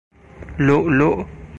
لؤ لؤ